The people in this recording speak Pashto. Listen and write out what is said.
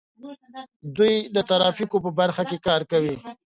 دوی د ترافیکو په برخه کې کار کوي.